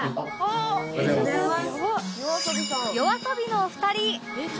ＹＯＡＳＯＢＩ のお二人